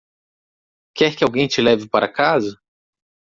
Quer que alguém te leve para casa?